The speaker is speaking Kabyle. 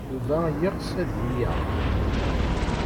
Yuba yeɣs ad iyi-yaɣ.